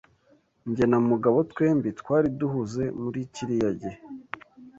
Jye na Mugabo twembi twari duhuze muri kiriya gihe.